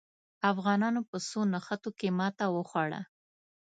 افغانانو په څو نښتو کې ماته وخوړه.